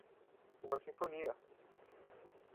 Uma sinfonia.